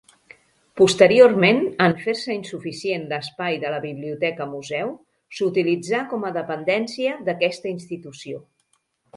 Posteriorment, en fer-se insuficient l'espai de la Biblioteca-Museu, s'utilitzà com a dependència d'aquesta institució.